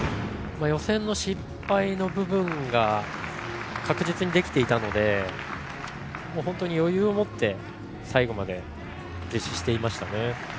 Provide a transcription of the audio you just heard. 予選の失敗の部分が確実にできていたので本当に余裕を持って最後まで実施していましたね。